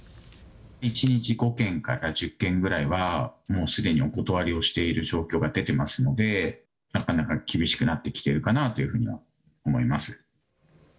１日５件から１０件ぐらいは、もうすでにお断りをしている状況が出てますので、なかなか厳しくなってきているかなというふうには思います。